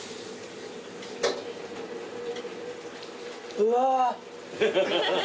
うわ。